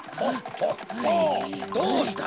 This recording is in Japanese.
どうした？